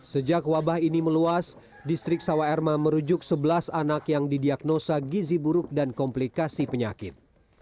sejak wabah ini meluas distrik sawa erma merujuk sebelas anak yang didiagnosa gizi buruk dan komplikasi penyakit